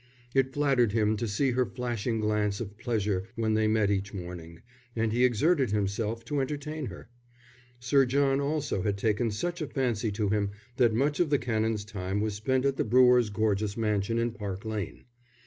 It flattered him to see her flashing glance of pleasure when they met each morning, and he exerted himself to entertain her. Sir John also had taken such a fancy to him that much of the Canon's time was spent at the brewer's gorgeous mansion in Park Lane.